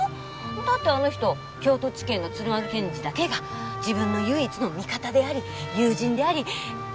だってあの人京都地検の鶴丸検事だけが自分の唯一の味方であり友人であり。